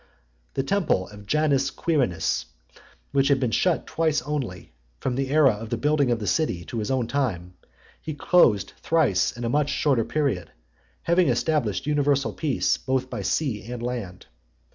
XXII. The temple of Janus Quirinus, which had been shut twice only, from the era of the building of the city to his own time, he closed thrice in a much shorter period, having established universal peace both by sea and land.